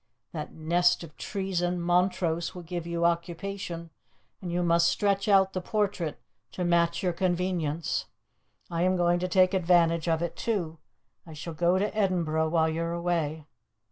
That nest of treason, Montrose, will give you occupation, and you must stretch out the portrait to match your convenience. I am going to take advantage of it too. I shall go to Edinburgh while you are away."